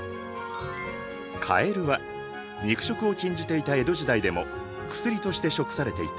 かえるは肉食を禁じていた江戸時代でも薬として食されていた。